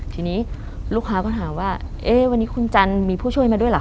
ทีนี้ลูกค้าก็ถามว่าเอ๊ะวันนี้คุณจันทร์มีผู้ช่วยมาด้วยเหรอ